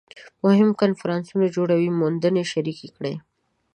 مهم کنفرانسونه جوړوي موندنې شریکې کړي